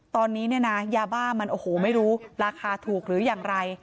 ตอนนี้เนี่ยนะยาบ้ามันโอ้โหไม่รู้ราคาถูกหรืออย่างไร